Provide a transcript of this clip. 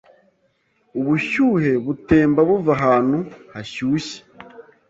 Ubushyuhe butemba buva ahantu hashyushye